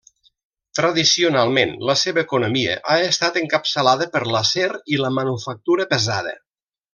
Tradicionalment, la seva economia ha estat encapçalada per l'acer i la manufactura pesada.